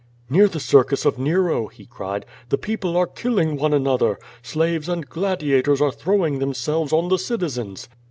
"Near the Circus of Nero," he cried, "the people are killing one another. Slaves and gladiators are throwing themselves on the citizens."